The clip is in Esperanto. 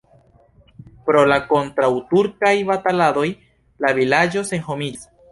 Pro la kontraŭturkaj bataladoj la vilaĝo senhomiĝis.